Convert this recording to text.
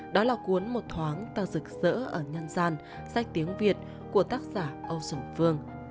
đó là cuốn một thoáng ta rực rỡ ở nhân gian sách tiếng việt của tác giả âu sùng phương